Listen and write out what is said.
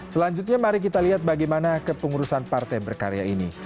selanjutnya mari kita lihat bagaimana kepengurusan partai berkarya ini